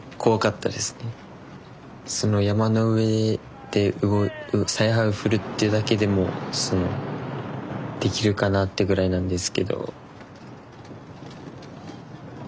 その曳山の上で采配を振るっていうだけでもできるかなってぐらいなんですけど。